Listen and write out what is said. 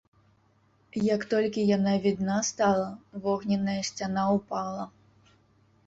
Як толькі яна відна стала, вогненная сцяна ўпала.